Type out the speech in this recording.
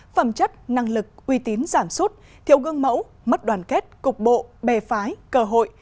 phẩm chất năng lực uy tín giảm suốt thiệu gương mẫu mất đoàn kết cục bộ bề phái cờ hội